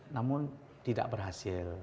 namun tidak berhasil